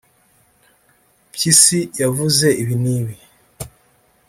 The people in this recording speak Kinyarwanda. Mpyisi yavuze ibi n’ibi